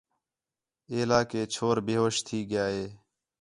ایلا کہ چھور بے ہوش تھی ڳِیا ہِے